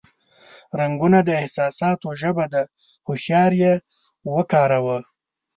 رنگونه د احساساتو ژبه ده، هوښیار یې وکاروه.